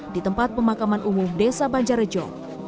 di tempat pemakaman umum desa banjarjo